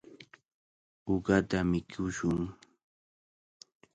Uqata mikushun.